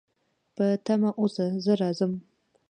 په تمه اوسه، زه راځم